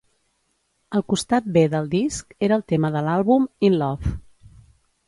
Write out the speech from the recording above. El costat B del disc era el tema de l'àlbum, "In Love".